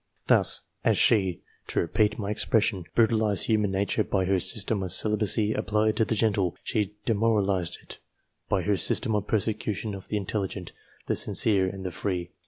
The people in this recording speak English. Thus, as she to repeat my expression brutal ized human nature by her system of celibacy applied to the gentle, she demoralized it by her system of persecution of the intelligent, the sincere, and the free.